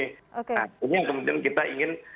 nah ini yang kemudian kita ingin